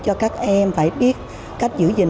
cho các em phải biết cách giữ gìn